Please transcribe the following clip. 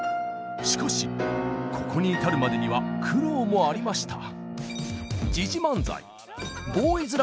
しかしここに至るまでには苦労もありました。